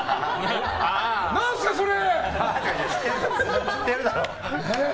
何すかそれ！